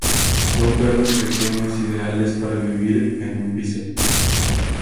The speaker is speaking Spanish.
Son perros pequeños ideales para vivir en un piso.